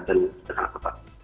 dan sangat tepat